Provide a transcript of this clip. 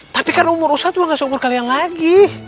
tapi kan umur ustadz udah gak seumur kalian lagi